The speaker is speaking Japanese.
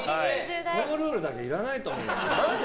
そのルールだけいらないと思う。